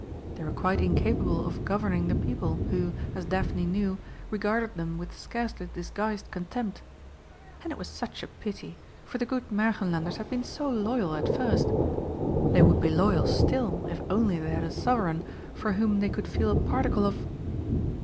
They were quite incapable of governing the people, who, as Daphne knew, regarded them with scarcely disguised contempt. And it was such a pity, for the good Märchenlanders had been so loyal at first! They would be loyal still, if only they had a sovereign for whom they could feel a particle of